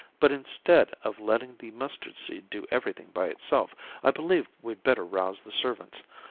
"But instead of letting the mustard seed do everything by itself, I believe we'd better rouse the servants.